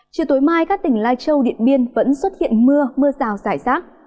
chiều tối mai các tỉnh lai châu điện biên vẫn xuất hiện mưa mưa rào rải rác